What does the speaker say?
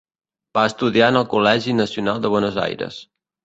Va estudiar en el Col·legi Nacional de Buenos Aires.